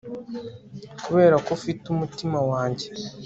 kubera ko ufite umutima wanjye